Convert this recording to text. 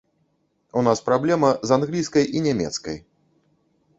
У нас праблема з англійскай і нямецкай.